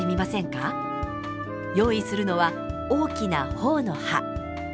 用意するのは大きな朴の葉。